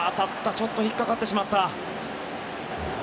ちょっと引っかかってしまった。